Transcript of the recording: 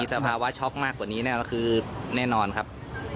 สภาวะช็อกมากกว่านี้ก็คือแน่นอนครับ